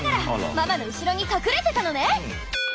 ママの後ろに隠れてたのね！